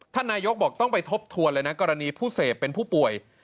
นายกบอกต้องไปทบทวนเลยนะกรณีผู้เสพเป็นผู้ป่วย